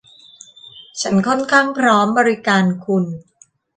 ฉันค่อนข้างพร้อมบริการคุณ